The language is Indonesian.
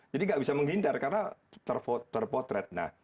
jadi gak bisa menghindar karena terpotret